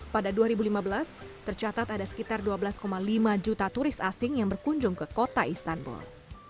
pada dua ribu lima belas tercatat ada sekitar dua belas lima juta turis asing yang berkunjung ke kota istanbul